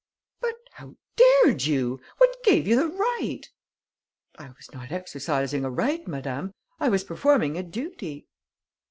"But how dared you? What gave you the right?" "I was not exercising a right, madame; I was performing a duty!"